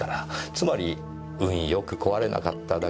つまり運良く壊れなかっただけ。